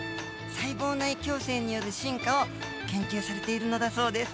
細胞内共生による進化を研究されているのだそうです。